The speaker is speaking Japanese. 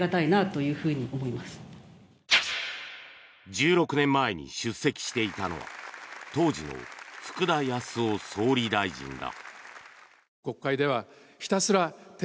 １６年前に出席していたのは当時の福田康夫総理大臣だ。